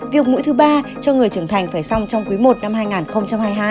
việc mũi thứ ba cho người trưởng thành phải xong trong quý i năm hai nghìn hai mươi hai